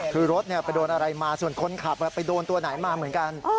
คือรถไปโดนอะไรมาส่วนคนขับไปโดนตัวไหนมาเหมือนกัน